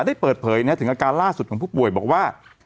ได้เปิดเผยถึงอาการล่าสุดของผู้ป่วยบอกว่า